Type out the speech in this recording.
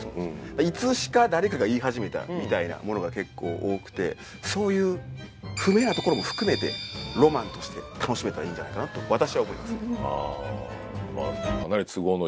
いつしか誰かが言い始めたみたいなものが結構多くてそういう不明なところも含めてロマンとして楽しめたらいいんじゃないかなと私は思いますね。